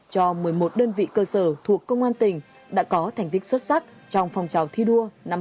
cho một mươi một đơn vị cơ sở thuộc công an tỉnh đã có thành tích xuất sắc trong phong trào thi đua năm hai nghìn hai mươi ba